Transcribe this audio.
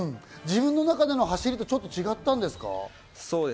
自分の中での走りとちょっと違ったんですか？